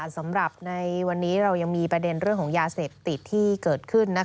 สำหรับในวันนี้เรายังมีประเด็นเรื่องของยาเสพติดที่เกิดขึ้น